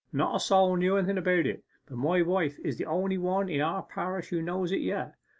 'Not a soul knew anything about it, and my wife is the only one in our parish who knows it yet.